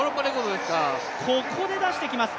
ここで出してきます。